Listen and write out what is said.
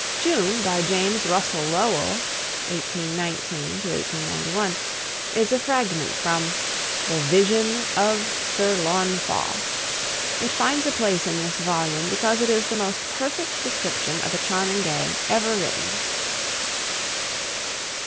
"June" (by James Russell Lowell, 1819 91), is a fragment from "The Vision of Sir Launfal." It finds a place in this volume because it is the most perfect description of a charming day ever written.